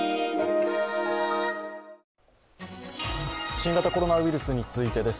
新型コロナウイルスについてです。